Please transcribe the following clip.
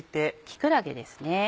木くらげですね。